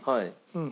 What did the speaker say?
うん。